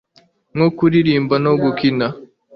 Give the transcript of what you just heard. nko kuririmba no gukina